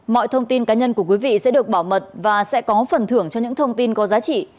mọi thông tin cá nhân của quý vị sẽ được bảo mật và sẽ có phần thưởng cho những thông tin có giá trị